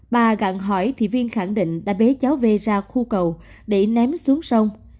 bà gặn hỏi thì viên khẳng định đã bế cháu v ra khu cầu để ném xuống sông